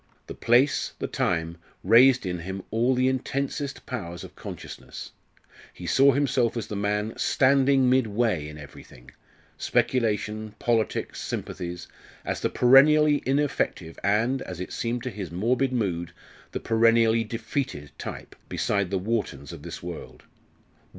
The place, the time, raised in him all the intensest powers of consciousness. He saw himself as the man standing midway in everything speculation, politics, sympathies as the perennially ineffective and, as it seemed to his morbid mood, the perennially defeated type, beside the Whartons of this world.